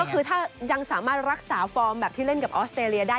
ก็คือถ้ายังสามารถรักษาฟอร์มแบบที่เล่นกับออสเตรเลียได้